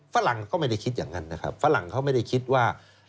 ฝรั่งก็ไม่ได้คิดอย่างนั้นนะครับฝรั่งเขาไม่ได้คิดว่า